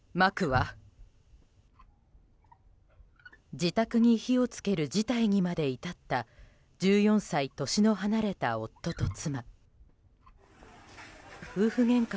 自宅に火を付ける事態にまで至った１４歳年の離れた夫と妻。